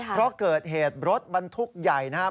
เพราะเกิดเหตุรถบรรทุกใหญ่นะครับ